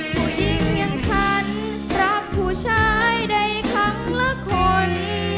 ผู้หญิงอย่างฉันรักผู้ชายใดครั้งละคน